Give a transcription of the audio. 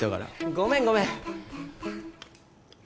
ごめんごめん。